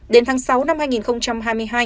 đến tháng sáu năm hai nghìn hai mươi hai